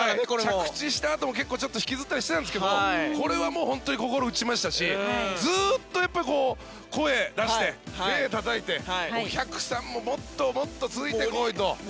着地したあとも引きずったりしてたんですがこれは本当に心打ちましたしずっと声を出して手をたたいてお客さんも、もっともっとついてこいと。